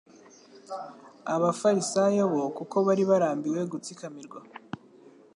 Abafarisayo bo kuko bari barambiwe gutsikamirwa